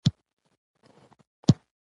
د احمدشاه بابا په مقبره په کندهار کې ده.